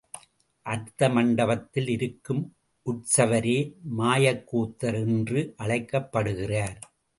அர்த்த மண்டபத்தில் இருக்கும் உத்சவரே மாயக்கூத்தர் என்று அழைக்கப்படுகிறார்.